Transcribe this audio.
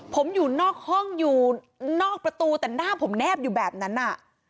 ผมอยู่นอกห้องอยู่นอกประตูแต่หน้าผมแนบอยู่แบบนั้นอ่ะ